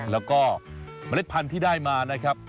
แล้วก็เมล็ดพันธุ์ที่ได้มานะครับ